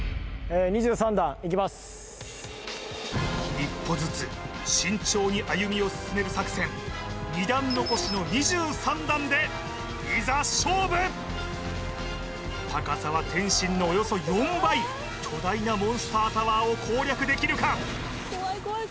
１歩ずつ慎重に歩みを進める作戦２段残しの２３段でいざ勝負高さは天心のおよそ４倍巨大なモンスタータワーを攻略できるか？